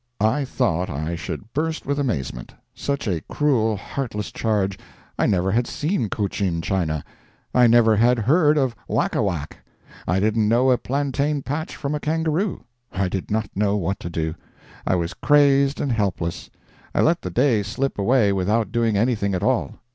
I thought I should burst with amazement! Such a cruel, heartless charge—I never had seen Cochin China! I never had heard of Wakawak! I didn't know a plantain patch from a kangaroo! I did not know what to do. I was crazed and helpless. I let the day slip away without doing anything at all.